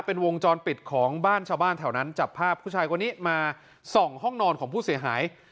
เป็นวงจรปิดของบ้านชาวบ้านแถวนั้นจับภาพผู้ชายคนนี้มาส่องห้องนอนของผู้เสียหาย